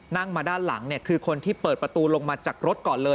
นั่งมาด้านหลังคือคนที่เปิดประตูลงมาจากรถก่อนเลย